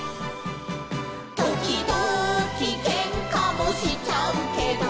「ときどきけんかもしちゃうけど」